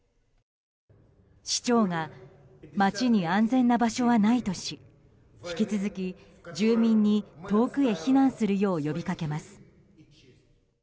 市長が街に安全な場所はないとし引き続き、住民に遠くへ避難するよう呼びかけます。